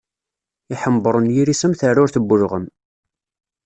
Iḥember unyir-is am taɛrurt n ulɣem.